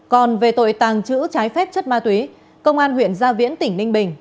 còn về tội tàng trữ trái phép chất ma túy công an huyện gia viễn tỉnh ninh bình